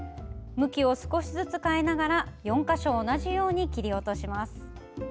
向きを少しずつ変えながら４か所同じように切り落とします。